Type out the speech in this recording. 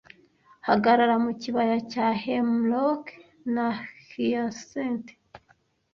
Hagarara mu kibaya cya hemlock na hyacinthes